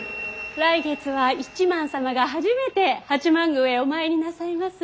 来月は一幡様が初めて八幡宮へお参りなさいます。